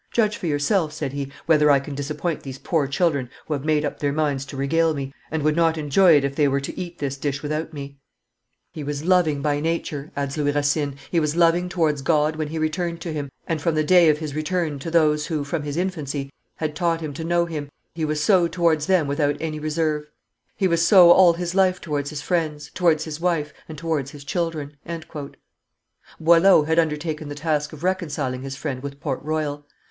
'Judge for yourself,' said he, 'whether I can disappoint these poor children who have made up their minds to regale me, and would not enjoy it if they were to eat this dish without me.' He was loving by nature," adds Louis Racine; "he was loving towards God when he returned to Him; and, from the day of his return to those who, from his infancy, had taught him to know Him, he was so towards them without any reserve; he was so all his life towards his friends, towards his wife, and towards his children." Boileau had undertaken the task of reconciling his friend with Port Royal.